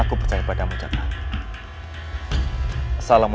untuk memperbaiki kekuatanmu